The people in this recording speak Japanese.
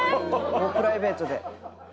プライベートで。